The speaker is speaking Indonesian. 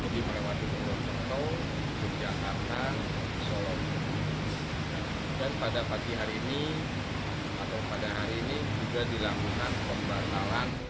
dan pada pagi hari ini atau pada hari ini juga dilakukan pembatalan